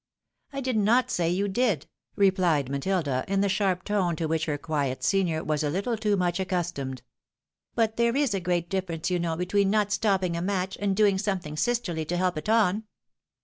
" I did not say you did," rephed Matilda, in the sharp tone to which her quiet senior was a little too much accustomed. " But there is a great difference, you know, between not stop ping a match, and doing something sisterly to help it on."